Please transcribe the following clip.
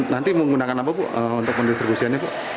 nanti menggunakan apa bu untuk mendistribusiannya